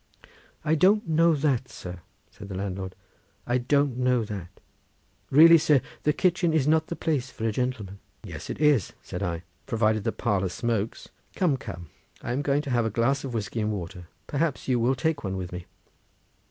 "I don't know that, sir," said the landlord; "I don't know that. Really, sir, the kitchen is not the place for a gentleman." "Yes, it is," said I, "provided the parlour smokes. Come, come, I am going to have a glass of whiskey and water; perhaps you will take one with me."